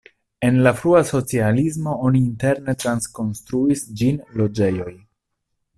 En la frua socialismo oni interne trakonstruis ĝin loĝejoj.